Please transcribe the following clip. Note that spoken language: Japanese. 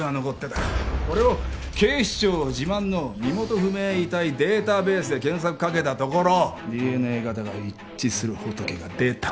これを警視庁自慢の身元不明遺体データベースで検索かけたところＤＮＡ型が一致するホトケが出た。